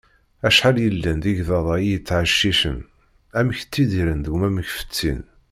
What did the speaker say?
Acḥal yellan d igḍaḍ-a i yettɛeccicen, amek ttidiren d wamek fettin.